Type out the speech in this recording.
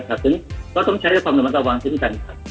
ซึ่งก็ต้องใช้ความระมัดระวังที่มีกัน